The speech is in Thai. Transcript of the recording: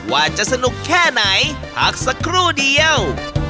ว่าจะสนุกแค่ไหนพักสักครู่เดียว